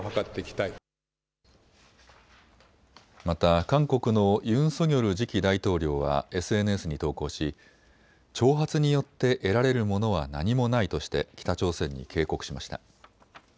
また韓国のユン・ソギョル次期大統領はＳＮＳに投稿し、挑発によって得られるものは何もないとして北朝鮮に警告しました。